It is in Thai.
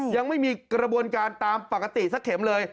ยังไม่มีกระบวนการตามปกติสักเข็มเลย